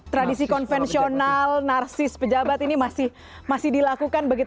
tradisi konvensional narsis pejabat ini masih dilakukan